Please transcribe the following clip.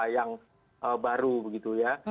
yang baru begitu ya